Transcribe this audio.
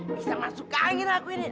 bisa masuk ke angin aku ini